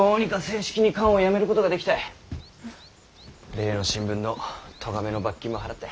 例の新聞の咎めの罰金も払った。